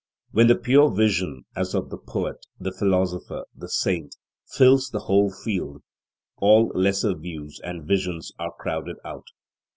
When the pure vision, as of the poet, the philosopher, the saint, fills the whole field, all lesser views and visions are crowded out.